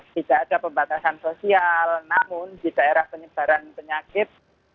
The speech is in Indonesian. tidak ada pembatasan sosial namun di daerah penyebaran penyakit